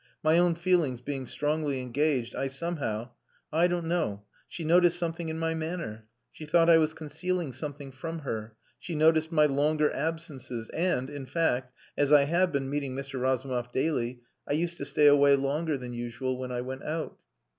My own feelings being strongly engaged, I somehow.... I don't know. She noticed something in my manner. She thought I was concealing something from her. She noticed my longer absences, and, in fact, as I have been meeting Mr. Razumov daily, I used to stay away longer than usual when I went out.